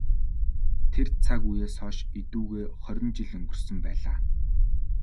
Тэр цаг үеэс хойш эдүгээ хорин жил өнгөрсөн байлаа.